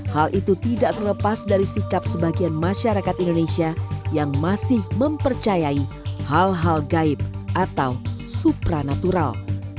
hal itu tidak terlepas dari sikap sebagian masyarakat indonesia yang masih mempercayai hal hal gaib atau supranatural